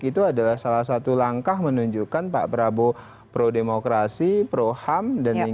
itu adalah salah satu langkah menunjukkan pak prabowo pro demokrasi pro ham